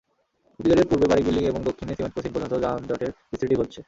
ইপিজেডের পূর্বে বারিক বিল্ডিং এবং দক্ষিণে সিমেন্ট ক্রসিং পর্যন্ত যানজটের বিস্তৃতি ঘটছে।